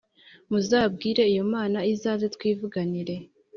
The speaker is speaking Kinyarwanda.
Muzabwire iyo Mana izaze twivuganire.